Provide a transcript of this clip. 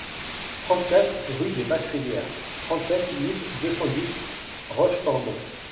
trente-quatre rue des Basses Rivières, trente-sept mille deux cent dix Rochecorbon